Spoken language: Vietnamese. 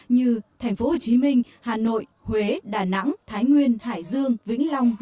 như thành phố hồ chí minh hà nội huế đà nẵng thái nguyên hải dương vĩnh long